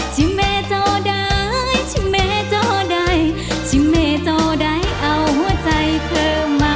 ชิมเมจอดายชิมเมจอดายชิมเมจอดายเอาใจเธอมา